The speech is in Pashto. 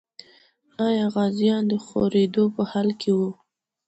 آیا غازیان د خورېدو په حال کې وو؟